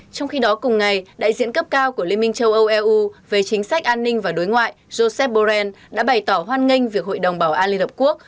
trong khi đó cùng ngày đại diện cấp cao của liên minh châu âu eu về chính sách an ninh và đối ngoại joseph borrell đã bày tỏ hoan nghênh việc hội đồng bảo an liên hợp quốc